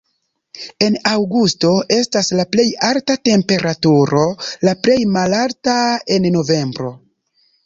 En aŭgusto estas la plej alta temperaturo, la plej malalta en novembro.